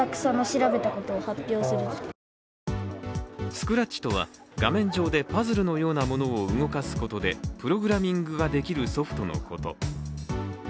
スクラッチとは画面上でパズルのようなものを動かすことでプログラミングができるソフトのこと。